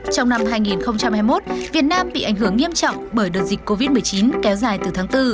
trong năm hai nghìn hai mươi một việt nam bị ảnh hưởng nghiêm trọng bởi đợt dịch covid một mươi chín kéo dài từ tháng bốn